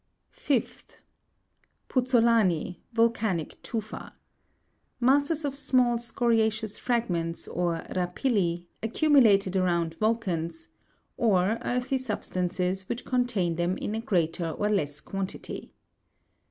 43. 5th. PoKzzolani, volcanic tufa. Masses of small scoria' ceous fragments, or rapilli, accumulated around volcans, or earthy substances, which contain them in greater or less quantity.